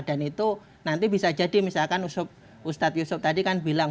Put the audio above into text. dan itu nanti bisa jadi misalkan ustadz yusof tadi kan bilang